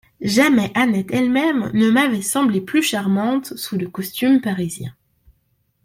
Jamais Annette elle-même ne m'avait semblé plus charmante sous le costume parisien.